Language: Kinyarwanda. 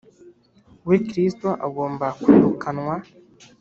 we Kristo agomba kwirukanwa